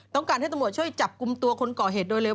ต้องการให้ตำรวจช่วยจับกลุ่มตัวคนก่อเหตุโดยเร็